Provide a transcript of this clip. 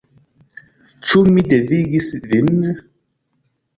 Ĉu mi devigis vin —?